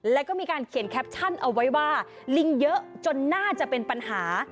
แล้วก็มีการเขียนแคปชั่นเอาไว้ว่าลิงเยอะจนน่าจะเป็นปัญหา